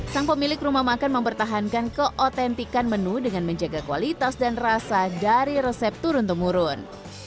sang pemilik rumah makan mempertahankan keautentikan menu dengan menjaga kualitas dan rasa dari resep turun temurun